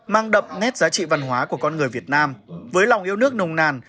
mang đậm nét giá trị văn hóa của con người việt nam với lòng yêu nước nồng nàn